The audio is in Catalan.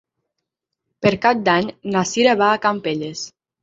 Per Cap d'Any na Cira va a Campelles.